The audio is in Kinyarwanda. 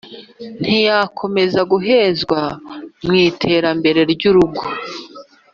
ntiyakomeza guhezwa mu iterambere ry’urugo